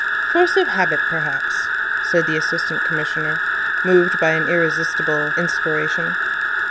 "Force of habit perhaps," said the Assistant Commissioner, moved by an irresistible inspiration.